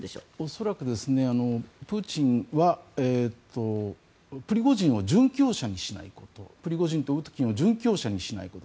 恐らくプーチンはプリゴジンを殉教者にしないことプリゴジンとウトキンを殉教者にしないこと。